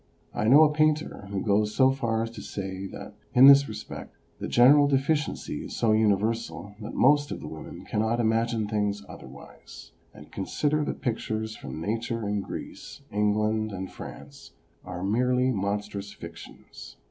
I know a painter who goes so far as to say that, in this respect, the general de ficiency is so universal that most of the women cannot imagine things otherwise, and consider that pictures from Nature in Greece, England and France are merely mon strous fictions.